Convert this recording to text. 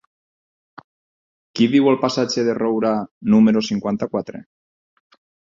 Qui viu al passatge de Roura número cinquanta-quatre?